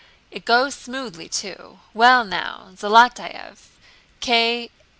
"It goes smoothly, too. Well, now, Zaletáev!" "Ke..."